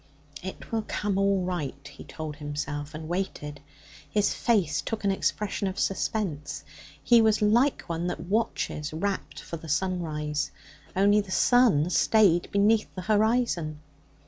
'It will come all right,' he told himself, and waited. His face took an expression of suspense. He was like one that watches, rapt, for the sunrise. Only the sun stayed beneath the horizon.